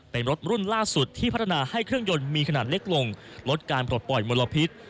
เป็นรถรุ่นล่าสุดที่พัฒนาให้เครื่องยนต์มีขนาดเล็กลงลดการปลดปล่อยมลพิษ